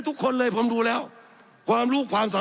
สับขาหลอกกันไปสับขาหลอกกันไป